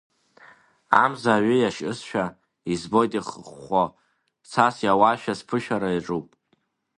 Амза аҩы иашьызшәа, избоит ихыхәхәо, цас иауашәа, сԥышәара иаҿуп.